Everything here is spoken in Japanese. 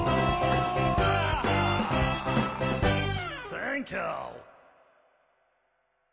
サンキュー！